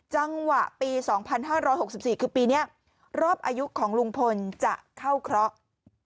จังหวะปี๒๕๖๔คือปีนี้รอบอายุของลุงพลจะเข้าเคราะห์